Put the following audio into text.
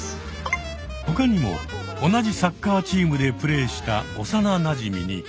他にも同じサッカーチームでプレーした幼なじみに。